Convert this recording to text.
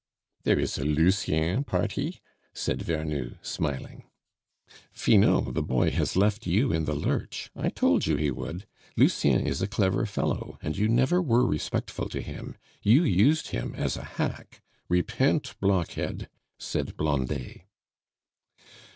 "There is a Lucien party?" said Vernou, smiling "Finot, the boy has left you in the lurch; I told you he would. Lucien is a clever fellow, and you never were respectful to him. You used him as a hack. Repent, blockhead!" said Blondet.